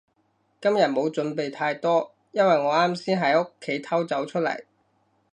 今日冇準備太多，因為我啱先喺屋企偷走出嚟